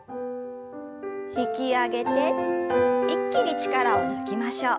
引き上げて一気に力を抜きましょう。